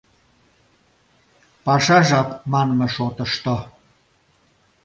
Паша жап манме шотышто…